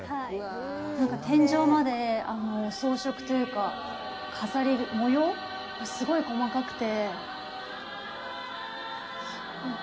天井まで、装飾というか模様がすごい細かくて。